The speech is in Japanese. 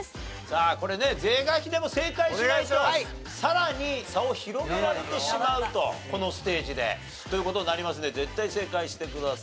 さあこれね是が非でも正解しないとさらに差を広げられてしまうとこのステージで。という事になりますんで絶対正解してください。